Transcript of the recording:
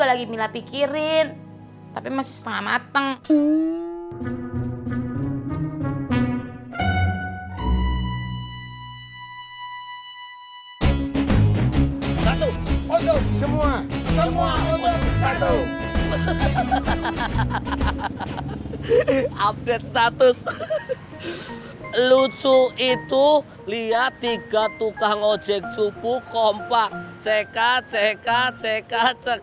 update status lucu itu lihat tiga tukang ojek cupu kompak ck ck ck ck